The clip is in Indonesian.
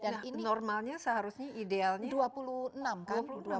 normalnya seharusnya idealnya dua puluh enam kan